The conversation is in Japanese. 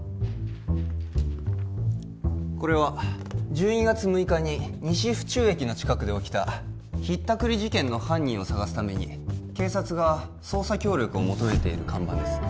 これは１２月６日に西府中駅の近くで起きたひったくり事件の犯人を捜すために警察が捜査協力を求めている看板です